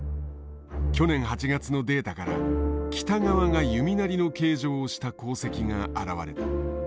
去年８月のデータから北側が弓なりの形状をした航跡が現れた。